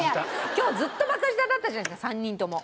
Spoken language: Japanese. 今日ずっとバカ舌だったじゃないですか３人とも。